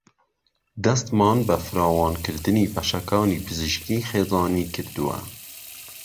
دهستمان به فراوانکردنی بهشهکانی پزیشکیی خێزانیی کردووه